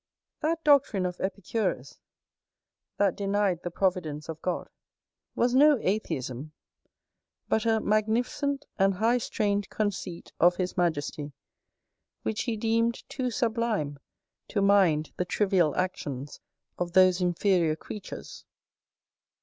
That doctrine of Epicurus, that denied the providence of God, was no atheism, but a magnificent and high strained conceit of his majesty, which he deemed too sublime to mind the trivial actions of those inferior creatures.